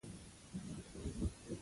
د شخړو مديريت.